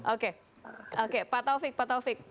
oke pak taufik